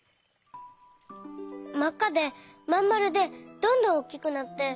まっかでまんまるでどんどんおっきくなって。